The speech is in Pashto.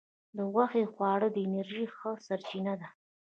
د غوښې خواړه د انرژی ښه سرچینه ده.